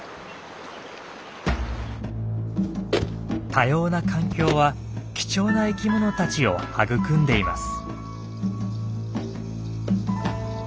多様な環境は貴重な生きものたちを育んでいます。